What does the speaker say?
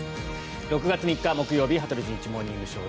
６月３日木曜日「羽鳥慎一モーニングショー」。